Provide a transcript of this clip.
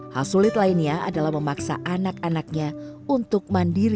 hal sulit lainnya adalah memaksa anak anaknya untuk mandiri